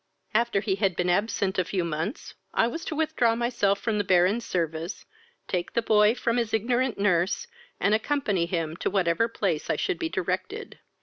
After he had been absent a few months, I was to withdraw myself from the Baron's service, take the boy from his ignorant nurse, and accompany him to whatever place I should be directed.